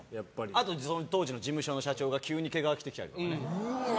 あと、その当時の事務所の社長が急に毛皮着てきたりとかね。